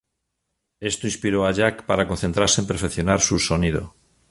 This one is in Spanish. Esto inspiró a Jack para concentrarse en perfeccionar su sonido.